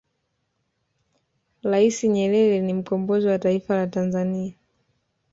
rais nyerere ni mkombozi wa taifa la tanzania